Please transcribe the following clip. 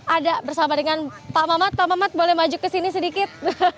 ada bersama dengan pak mamat pak mamat boleh maju ke sini sedikit